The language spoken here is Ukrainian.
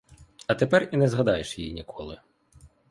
А тепер і не згадаєш її ніколи.